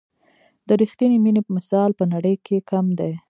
د رښتیني مینې مثال په نړۍ کې کم دی.